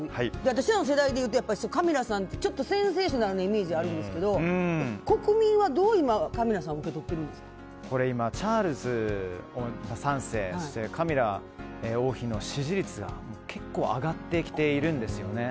私らの世代でいうとカミラさんってちょっとセンセーショナルなイメージがあるんですけど国民は今、どうカミラさんを今、チャールズ３世カミラ王妃の支持率が結構上がってきているんですよね。